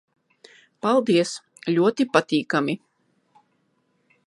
Paldies. Ļoti patīkami...